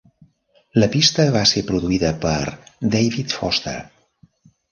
La pista va ser produïda per David Foster.